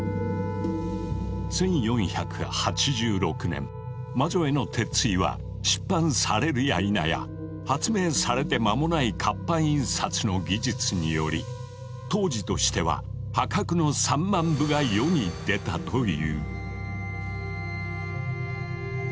１４８６年「魔女への鉄槌」は出版されるやいなや発明されて間もない活版印刷の技術により当時としては破格の３万部が世に出たという。